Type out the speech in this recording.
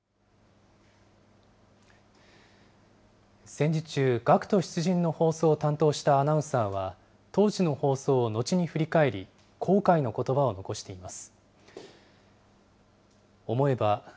戦時中、学徒出陣の放送を担当したアナウンサーは、当時の放送を後に振り返り、後悔のことばを残しています。